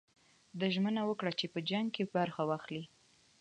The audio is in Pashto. ده ژمنه وکړه چې په جنګ کې برخه واخلي.